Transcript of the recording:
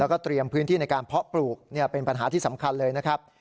แล้วก็เตรียมพื้นที่ในการเพาะปลูกเป็นปัญหาที่สำคัญเลยนะครับ